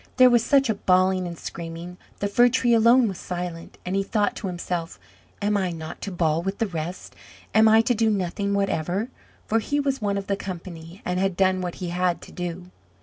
There was such a bawling and screaming the Fir tree alone was silent, and he thought to himself, "Am I not to bawl with the rest? am I to do nothing whatever?" for he was one of the company, and had done what he had to do.